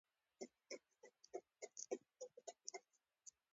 که ځواب دې راکړ سره زر درکوم.